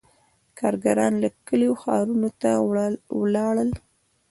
• کارګران له کلیو ښارونو ته ولاړل.